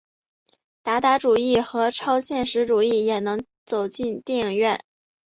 达达主义和超现实主义也能走进电影院。